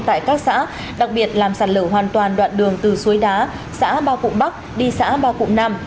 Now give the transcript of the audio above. tại các xã đặc biệt làm sạt lờ hoàn toàn đoạn đường từ suối đá xã ba cụ bắc đi xã ba cụ nam